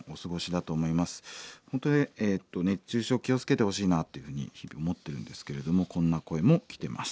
熱中症気を付けてほしいなっていうふうに日々思ってるんですけれどもこんな声も来てます。